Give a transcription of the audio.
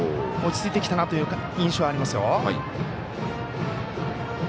落ち着いてきたなという印象はありますよ。